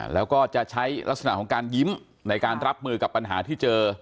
แล้วก็จะใช้ลักษณะของการยิ้มในการรับมือกับปัญหาที่เจอ